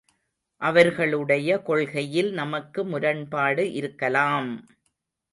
அவர்களுடைய கொள்கையில் நமக்கு முரண்பாடு இருக்கலாம்!